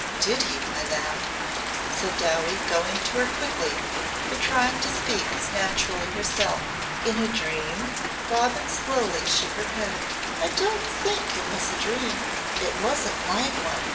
"Did he, my lamb?" said Dowie going to her quickly but trying to speak as naturally herself. "In a dream?" Robin slowly shook her head. "I don't think it was a dream. It wasn't like one.